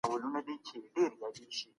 په ټولنه کي د باور فضا بېرته رامنځته کړئ.